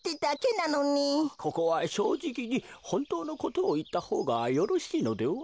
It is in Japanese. ここはしょうじきにほんとうのことをいったほうがよろしいのでは？